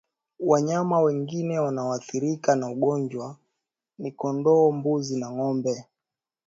Wanyama wengine wanoathirika na ugonjwa ni kondoo mbuzi na ngombe